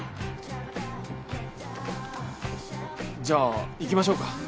じゃあ行きましょうか。